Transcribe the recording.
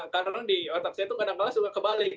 karena di otak saya tuh kadang kadang suka kebalik